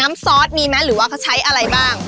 ซอสมีไหมหรือว่าเขาใช้อะไรบ้าง